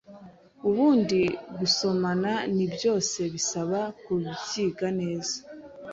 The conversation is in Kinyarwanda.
Ubundi gusomana ni byose bisaba kubyiga neza